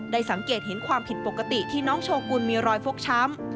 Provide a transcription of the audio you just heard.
สังเกตเห็นความผิดปกติที่น้องโชกุลมีรอยฟกช้ำ